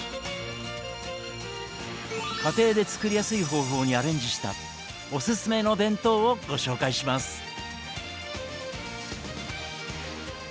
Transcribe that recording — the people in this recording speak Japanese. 家庭で作りやすい方法にアレンジしたおすすめの弁当をご紹介します。